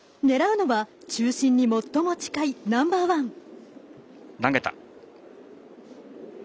ねらうのは中心に最も近いナンバーワン。